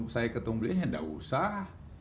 saya ketemu belinya ya nggak usah